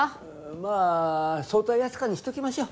まあ早退扱いにしときましょう。